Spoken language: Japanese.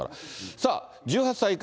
さあ、１８歳以下